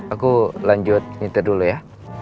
aku lanjut nyeter dulu ya